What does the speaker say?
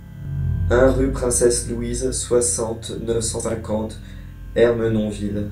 un rue Princesse Louise, soixante, neuf cent cinquante, Ermenonville